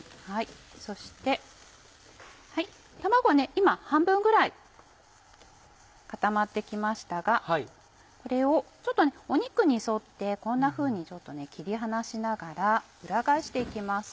そして卵ね今半分ぐらい固まって来ましたがこれをちょっと肉に沿ってこんなふうに切り離しながら裏返して行きます。